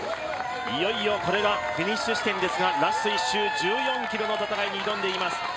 いよいよこれがフィニッシュ地点ですがラスト１周１４ｋｍの戦いに挑んでいます。